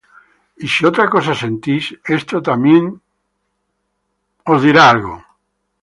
y si otra cosa sentís, esto también os revelará Dios.